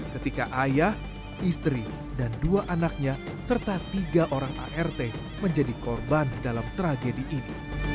ketika ayah istri dan dua anaknya serta tiga orang art menjadi korban dalam tragedi ini